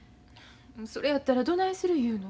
それやったらどないする言うの？